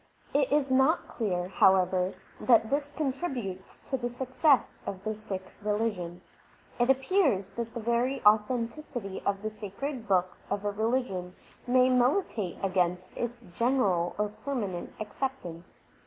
It is not clear, however, that this contributes to the success of the Sikh religion. It appears that the very authenticity of the sacred books of a religion may militate against its general or permanent acceptance.